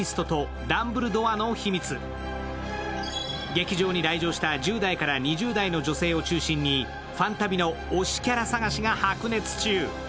劇場に来場した１０代から２０代の女性を中心に「ファンタビ」の推しキャラ探しが白熱中。